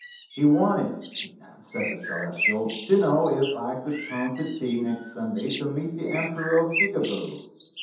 ''He wanted," said the Celestial, "to know if I could come to tea next Sunday to meet the Emperor of Gigaboo.